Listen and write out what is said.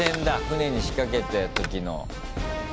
船に仕掛けた時の。